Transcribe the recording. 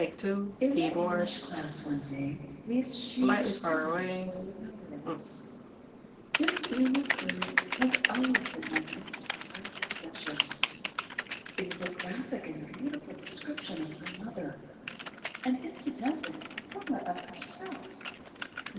In the English class one day, we exchanged themes for a remembrance. This theme of hers has always been my most prized possession. It is a graphic and beautiful description of her mother, and incidentally somewhat of herself.